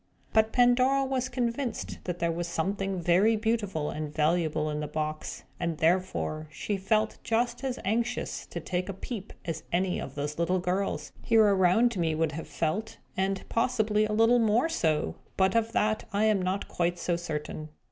But Pandora was convinced that there was something very beautiful and valuable in the box; and therefore she felt just as anxious to take a peep as any of these little girls, here around me, would have felt. And, possibly, a little more so; but of that I am not quite so certain.